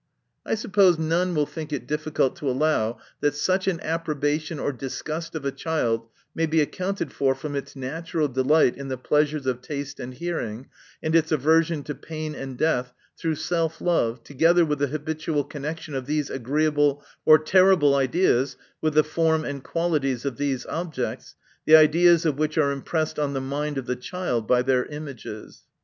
I suppose none will think it difficult to allow, that such an approbation or disgust of a child may be accounted for from its natural delight in the pleasures of taste and hearing, and its aversion to pain and death, through self love, together with the habitual connection of these agreeable or terrible ideas with the form and qualities of these objects, the ideas of which are impressed on the mind of the child by their images.